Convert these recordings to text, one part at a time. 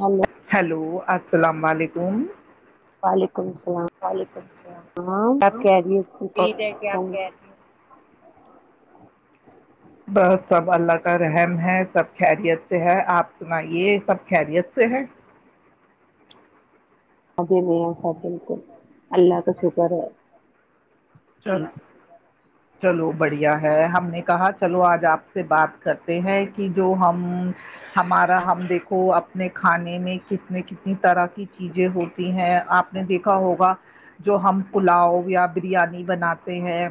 hello hello السلام علیکم وعلیکم وعلیکم السلام آپ ہاں کہہ رہی [unintelligible] بس سب اللہ کا رحم ہے سب خیریت سے ہے آپ سنایے سب خیریت سے ہیں مزے میں ہے ہم سب بالکل اللہ کا شکر ہے چلو چلو بڑھیا ہے ہم نے کہا چلو آج آپ سے بات کرتے ہیں کی جو ہم ہمارا ہم دیکھو اپنے کھانے میں کتنے کتنی طرح کی چیزیں ہوتی ہیں آپ نے دیکھا ہوگا جو ہم پلاؤ یا بریانی بناتے ہیں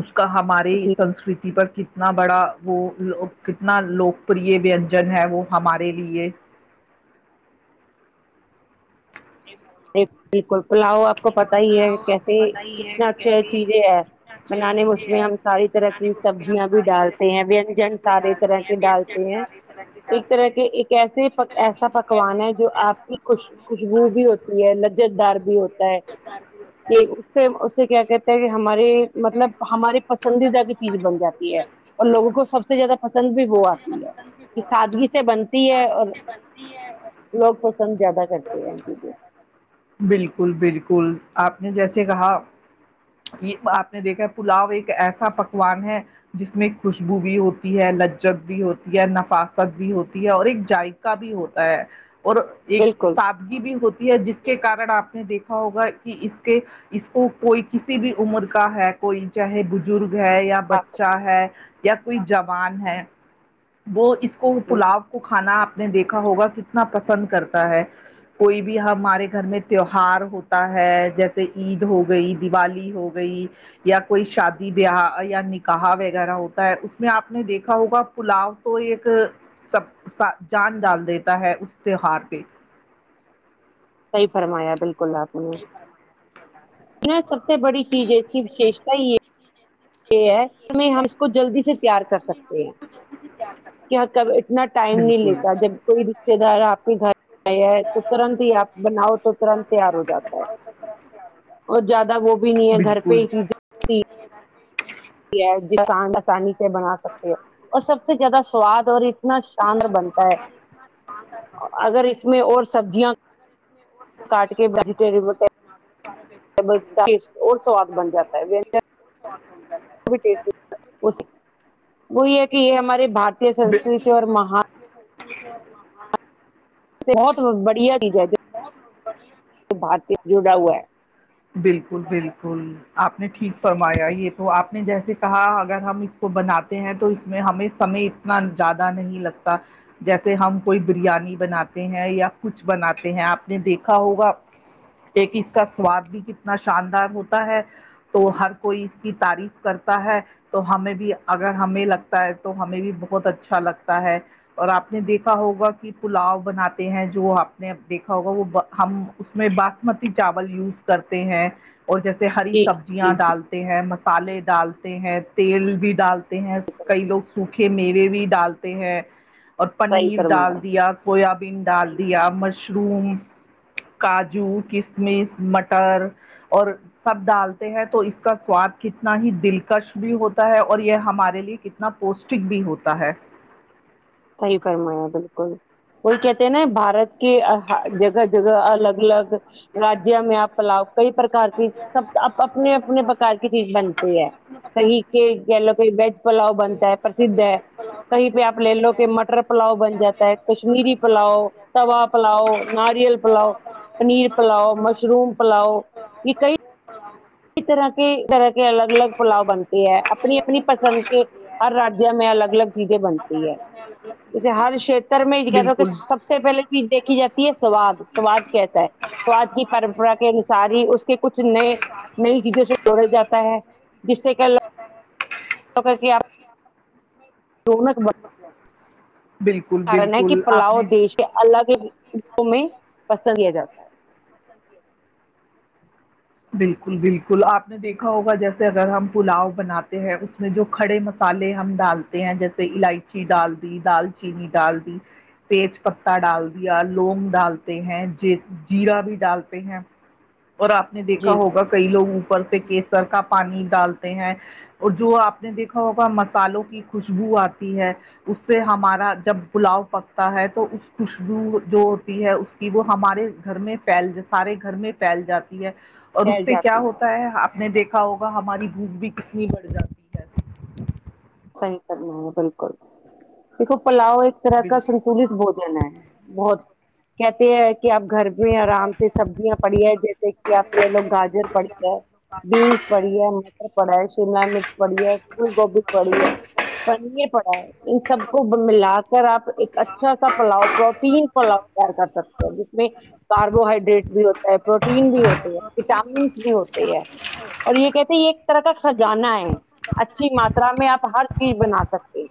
اس کا ہماری جی سنسکرت تی پر کتنا بڑا وہ لوک کتنا لوک پریہ وینجن ہے وہ ہمارے لیے بالکل بالکل پلاؤ آپ کو پتہ ہی ہے کیسے کتنا اچھا چیزیں ہے بنانے میں اس میں ہم ساری طرح کی سبزیاں بھی ڈالتے ہیں وینجن سارے طرح کے ڈالتے ہیں ایک طرح کے ایک ایسے پک ایسا پکوان ہے جو آپ کی خوش خوشبو بھی ہوت تی ہے لذت دار بھی ہوتا ہے لذت دار بھی ہوتا ہے اسے اسے کیا کہتے ہے کہ ہمارے مطلب ہمارے پسندیدہ کی چیزیں بن جاتی ہے اور لوگوں کو سب سے زیادہ پسند بھی وہ آتی ہے کی سادگی سے بن تی ہے اور لوگ پسند زیادہ کرتے ہیں چیزیں بالکل بالکل آپ نے جیسے کہا یے آپ نے دیکھا پلاؤ ایک ایسا پکوان ہے جس میں خوشبو بھی ہوتی ہے لجت بھی ہوتی ہے نفاست بھی ہوتی ہے اور ایک جائ کا بھی ہوتا ہے اور ایک بالکل سادگی بھی ہوتی ہے جس کے کارن آپ نے دیکھا کھا ہوگا کی اس کے اس کو کوئی کسی بھی عمر کا ہے کوئی چاہے بزرگ ہے یا خاص- بچہ ہے یا کوئی جوان ہے وہ اس کو بالکل پلاؤ کو کھانا آپ نے دیکھا ہوگا کتنا پسند کرتا ہے کوئی بھی ہمارے گھر میں تیوہار ہو ہوتا ہے جیسے عید ہو گئی دیوالی ہو گئی یا کوئی شادی بیاہ یا نکاح وغیرہ ہوتا ہے اس میں آپ نے دیکھا ہوگا پلاؤ وہ ایک سب سا جان ڈال دیتا ہے اس تہوار پے صحیح فرمایا بالکل آپ نے سب سب سے بڑی چیز ہے اس کی وشیشتا یے ایسے ہے ہم اس کو جلدی سے تیار کر سکتے ہیں کیا کب اتنا ٹائم نہیں بالکل لیتا جب کوئی رشتے دار آپ کے گھر آیا ہے [inaudible] تو جب ترنت ہی آپ رشتہ بناؤ تو دار ترنت تیار آپ ہو جاتا ہے کے گھر میں اور زیادہ وہ بھی نہیں ہے گھر پے ہی چیز ج آس آسانی [unintelligible] یہ بنا سکتے ہیں اور سب سے زیادہ سواد اور اتنا شاندار بنتا ہے اگر [unintelligible] اس میں اور سبزیاں کاٹ کے باریک باریک وہ سوادشٹ اور سواد بن جاتا ہےجیسے [inaudible] وہی ہے کہ یہ ہمارے بھارتیا بے- سنسکرتی اور مہان [inaudible] بہت بڑھیا چیز ہے بھارتی جڑا ہوا ہے بالکل بالکل آپ نے ٹھیک فرمایا یہ تو آپ نے جیسے کہا اگر ہم اس کو بناتے ہیں تو اس میں ہمیں سمے زیادہ نہیں لگتا جیسے ہم کوئی بریانی بناتے ہیں یا کچھ بناتے ہیں آپ نے دیکھا ہوگا ایک اس کا سواد بھی کتنا شاندار ہوتا ہے تو ہر کوئی اس کی تعریف کرتا ہے تو ہمیں بھی اگر ہمیں لگتا ہے تو ہمیں بھی بہت اچھا لگتا ہے اور آپ نے دیکھا ہوگا کہ پلاؤ بناتے ہیں جو آپ نے دیکھا ہوگا وہ ہم اس میں باسمتی چاول یوز کرتے ہیں اور جیسے ہری جی سبزیاں جی جی ڈال ہیں مسالے ڈالتے ہیں تیل بھی ڈالتے ہیں کئی لوگ سوکھے میوے وے بھی ڈالتے ہیں اور صحیح پنیر فرمایا ڈال دیا سویابین ڈال دیا مشروم کاجو کسمس مٹر اور سب ڈالتے ہیں تو اس کا سواد کتنا ہی دلکش بھی ہوتا ہے اور یہ ہمارے لیے نا پوشٹک بھی ہوتا ہے صحیح فرمایا بالکل وہی کہتے ہیں نا یہ بھارت کہ آہ جگہ جگہ الگ الگ راجیہ میں آپ پلاؤ کئی پرکار کی سب اپنے اپنے پرکار کی چیز بنتی ہے کہیں کہ کہہ لو کہ ویج پلاؤ بنتا ہے پرسد ہے کہیں پہ آپ لے لو کہ مٹر پلاؤ بن جاتا ہے کشمیری پلاؤ توا پلاؤ ناریل پلاؤ پنیر پلاؤ مشروم پلاؤ یہ کئی ہاں اسی طرح کے طرح کے الگ الگ پلاؤ بنتے ہے اپنی اپنی پسند کے ہر راجیہ میں الگ الگ چیزیں بنتی ہے اسے ہر شیتر میں کہ کہ بالکل سب سے پہلے چیز دیکھی جاتی سواد سواد کہتا ہے سواد کی پرمپرا کے انوسار ہی اس کے کچھ نئے نئی چیزوں سے جوڑا جاتا ہے جس سے کہ لا آپ دونوں کو بن بالکل کارن ہے کہ بالکل آپ پلاؤ نے دیش کے الگ الگ میں پسند کیا جاتا ہے بالکل بالکل آپ نے دیکھا ہوگا جیسے اگر ہم پلاؤ بناتے ہیں جو کھڑے مسالے ہم ڈالتے ہیں جیسے الائچی ڈال دی دال چینی ڈال دی تیج پتا ڈال دیا لونگ ڈالتے ہیں جیرا بھی ڈالتے ہیں اور آپ نے ہے دیکھا جی ہوگا کئی لوگ اوپر سے کیسر کا پانی ڈالتے ہیں اور جو آپ نے دیکھا ہوگا مسالوں کی خوشبو آتی ہے اس سے ہمارا جب پلاؤ پکتا ہے تو اس خوشبو جو ہوتی ہے اس کی وہ ہمارے گھر میں پھیل سارے گھر میں پھیل جاتی ہے اور اس پھیل سے کیا جاتی ہوتا ہے آپ نے دیکھا ہوگا ہماری بھوک بھی کتنی بڑھ جاتی ہے صحیح فرمایا بالکل دیکھو پلاؤ ایک طرح کا بجلی سنتولت بھو ہونا ہے بہت کہتے ہیں کہ آپ گھر میں آرام سے سبزیاں پڑی ہے جیسے کہ آپ کے لوگ گاجر پڑی ہے بینس پڑیے مٹر پڑا ہے شملہ مرچ پڑی ہے پھول گوبھی پڑا ہے ان سب کو ملا اگر آپ ایک اچھا سا پلاؤ پروٹین پلاؤ تیار کر سکتے ہیں جس میں کاربوہائیڈریٹ بھی ہوتا ہے پروٹین بھی ہوتے ہیں وٹامنس بھی ہوتے ہیں اور یے کہتے ہیں یے ایک طرح کا خزانہ ہے اچھی مات ترا میں آپ ہر چیز بنا سکتے ہیں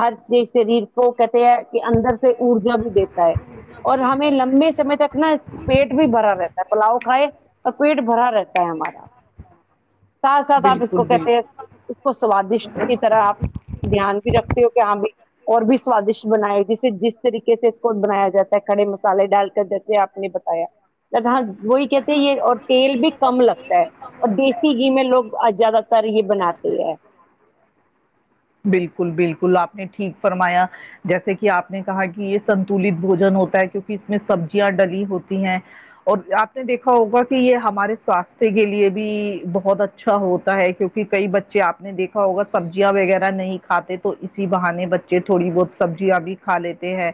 ہر شریر کو کہتے ہیں کہ اندر سے ارجا بھی دیتا ہے اور ہمیں لمبے سمے تک نا پیٹ بھی بھرا رہتا ہے پلاؤ کھائے اور پیٹ بھرا رہتا ہے ہمارا ساتھ ساتھ آپ اس بالکل کو بالکل کہتے ہیں اس کو سوادشٹ کی طرح آپ دھیان بھی رکھتے ہو کہ ہمیں اور بھی سوادشٹ بنائے جسے جس طریقے سے کو بنایا جاتا ہے کھڑے مسالے ڈال کر جیسے آپ نے بتایا ہے وہی کہتے یے اور تیل بھی کم لگتا ہے اور دیسی گھی میں لوگ آج زیادہ تر ہی بناتے ہیں بالکل بالکل آپ نے ٹھیک فرمایا جیسے کہ آپ نے کہا کی یے سب تولیت بھوجن ہوتا ہے کیونکی اس میں سبزیاں ڈلی ہوتی ہیں اور آپ نے دیکھا ہوگا کی یے ہمارے سواستھ کے لیے بھی بہت اچھا ہوتا ہے کیونکہ کہ کئی بچے آپ نے دیکھا ہوگ سبزیاں وغیرہ نہیں کھاتے تو اسی بہانے بچے تھوڑی بہت سبزیاں بھی کھا لیتے ہیں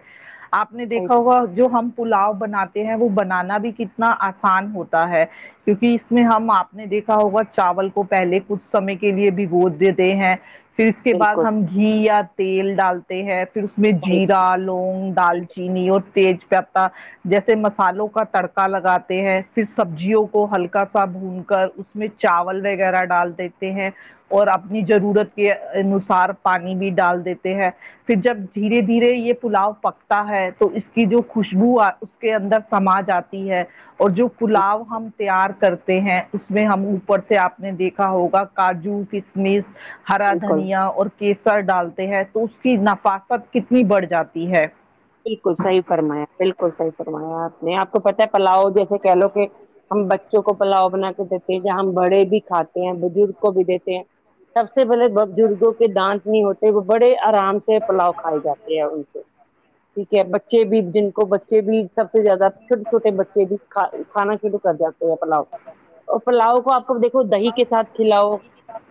آپ نے دیکھا ہوگا جو ہم پلاؤ بناتے ہیں وہ بنانا بھی کتنا آسان ہوتا ہے کیونکی اس میں ہم آپ نے دیکھا ہوگا چاول کو پہلے کچھ سمے کے لیے بھی گود دیتے ہیں پھر اس کے بعد بالکل ہم گھی یا تیل ڈالتے ہیں پھر اس میں صحیح، جیرا لونگ ڈال چینی اور تیج پتہ جیسے مسالوں کا تڑکا لگاتے ہیں پھر سبزیوں کو ہلکا سا بھون کر میں چاول وغیرہ ڈال دیتے ہیں اور اپنی ضرورت کے انوسار پانی بھی ڈال دیتے ہیں پھر جب دھیرے دھیرے یے پلاؤ پک تا ہے تو اس کی جو خوشبو اس کے اندر سما جا تی ہے اور جو پلاؤ ہم تیار کرتے ہیں اس میں ہم اوپر سے آپ نے دیکھا ہوگا کاجو کشمش ہرا بالکل دھنیا اور کے سر ڈالتے ہیں تو اس کی نفاست کتنی بڑھ جاتی ہے بالکل صحیح فرمایا بالکل صحیح فرمایا آپ نے آپ کو پتا پلاؤ جیسے کہہ لو کہ ہم بچوں کو پلاؤ بنا کے دیتے ہیں جے ہم بڑے بھی کھاتے ہیں بزرگ کو بھی دیتے ہیں سب سے پہلے بزرگوں کے دانت نہیں ہوتے وہ بڑے آرام سے پلاؤ کھائے جاتے ہیں ان سے ٹھیک ہے بچے بھی جن کو بچے بھی سب سے زیادہ چھوٹے چھوٹے بچے بھی کھا کھانا شروع کر جاتے ہیں پلاؤ اور پلاؤ کو آپ اب دیکھو دہی کے ساتھ کھلاؤ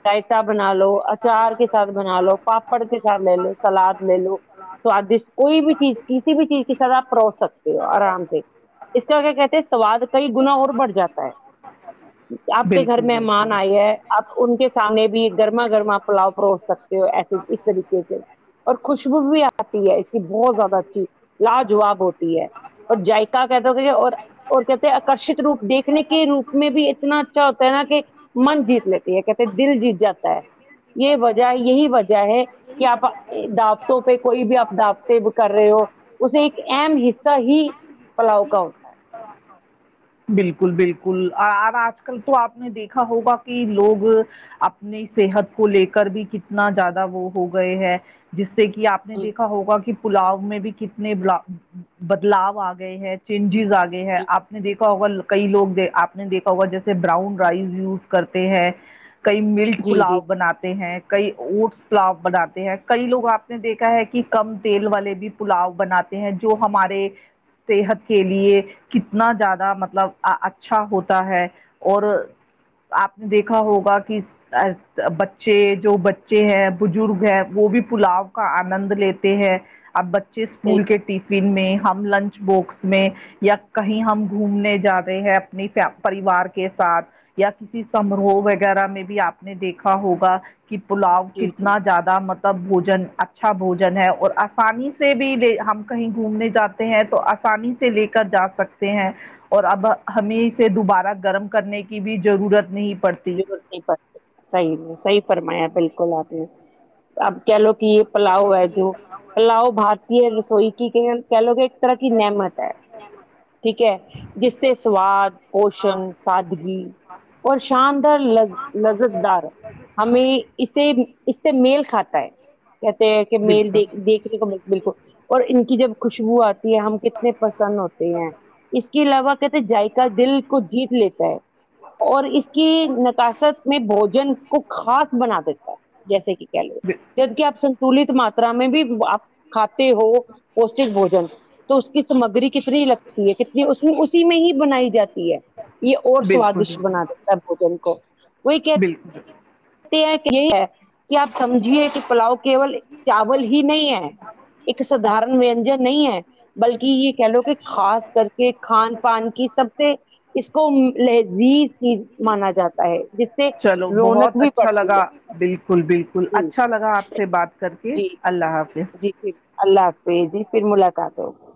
رائتا بنا لو اچار کے ساتھ بنا لو پاپڑ کے ساتھ لے لو سلاد لے لو سوادیش کوئی بھی چیز کسی بھی چیز کی آپ پروس سکتے ہو آرام سے اس کا کیا کہتے ہیں سواد کئی گنا اور بڑھ جاتا ہے آپ کے گھر بالکل مہمان بالکل آئی ہے آپ ان کے سامنے بھی گرما گرما پلاؤ پروس سکتے ہو ایسے اس طریقے سے اور خوشبو بھی آتی ہے اس کی بہت زیادہ اچھی لاجواب ہوتی ہے اور جائقہ کہتے ہوتے اور اور کہتے ہیں آکرشت روپ دیکھنے کے روپ میں بھی اتنا اچھا ہوتا ہے نا کہ من جیت لیتی ہے کہتے ہے دل جیت جاتا ہے یہ وجہ یہی وجہ ہے کہ آپ دابتوں پہ کوئی بھی آپ دعوتیں کر رہے ہو ایک اہم حصہ ہی پلاؤ کا ہوتا ہے بالکل بالکل اب آج کل تو آپ نے دیکھا ہوگا کہ لوگ اپنی صحت کو لے کر بھی کتنا زیادہ وہ ہو گئے ہے جس سے کہ آپ نے جی دیکھا ہوگا کہ پلاؤ میں بھی کتنے بدلاؤ آ گئے ہیں جن چیز آ گئے ہے آپ نے دیکھا ہوگا کئی لوگ آپ نے دیکھا ہوگا جیسے براؤن رائس یوز کرتے ہیں کئی ملٹ جی جی پلاؤ بناتے ہیں کئی اوٹس پلاؤ بناتے ہیں کئی لوگ آپ نے دیکھا ہے کہ کم تیل والے بھی پلاؤ بناتے ہیں جو ہمارے صحت کے لیے کتنا زیادہ مطلب اچھا ہوتا ہے اور آپ نے دیکھا ہوگا کس بچے جو بچے ہیں بزرگ ہے وہ بھی پلاؤ کا آنند لیتے ہیں اب بچے جی جی اسکول کے ٹفن میں ہم لنچ باکس میں یا کہیں ہم گھومنے جاتے ہیں اپنی فیم پریوار کے ساتھ یا کسی سماروہ وغیرہ میں بھی آپ نے دیکھا ہوگا کہ پلاؤ جی جی کتنا زیادہ مطلب بھوجن اچھا بھوجن ہے اور آسانی سے بھی لے ہم کہیں گھومنے جاتے ہیں تو آسانی سے لے کر جا سکتے ہیں اور اب ہمیں اسے دوبارہ گرم کرنے کی بھی ضرورت نہیں پڑتی ضرورت صحیح صحیح فرمایا بالکل آپ نے اب کہہ لو کہ پلاؤ ہے جو پلاؤ بھارتی رسوئی کی کہہ لو کہ ایک طرح کی نعمت ہے ٹھیک ہے جس سے سواد پوشن سادگی اور شاندار لذ لذت دار ہمیں اسے اس سے میل کھاتے کہتے ہے کہ مل بالکل دیکھ دیکھ بالکل اور ان کی جب خوشبو آتی ہے ہم کتنے پسند ہوتے صحیح ہیں اس کے علاوہ کہتے ہیں جایقہ دل کو جیت لیتا ہے اور اس کی نکاصت میں بھوجن کو خاص بنا دیتا ہے جیسے کہ کیا لے ب جبک آپ سنتولت مات [unintelligible] صبح میں بھی آپ کھاتے ہو پوشتک بھوجن تو اس کی گری کتنی لگتی ہے کنی اسی میں ہی بنائی جاتی ہے یہ اور سوادش بنا دیتا ہے اٹم کا بالکل کہ یہی ہے کہ آپ سمجھیے کہ پلاؤ کیول چاول ہی نہیں ہے ایک سدارن ونجن نہیں ہے بلکہ یہ کہہ لو کہ خاص کر کے کھان پان کی سب سے اس کو لذیذ چیز مانا جاتا ہے جس سے چلو رونق بہت بھی اچھا بڑھتی ہے لگا بالکل بالکل جی اچھا لگا آپ سے بات کر کے جی اللہ حافظ جی پھر اللہ حافظ جی پھر ملاقات ہوگی